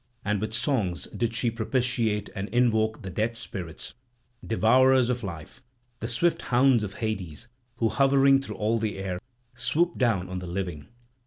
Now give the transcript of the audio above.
And with songs did she propitiate and invoke the Death spirits, devourers of life, the swift hounds of Hades, who, hovering through all the air, swoop down on the living.